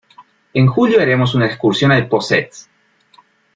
En julio haremos una excursión al Possets.